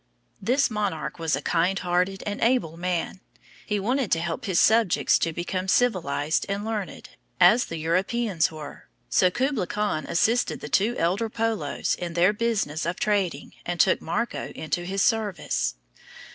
This monarch was a kind hearted and able man. He wanted to help his subjects to become civilized and learned, as the Europeans were. So Kublai Khan assisted the two elder Polos in their business of trading, and took Marco into his service.